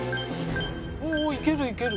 おおおおいけるいける。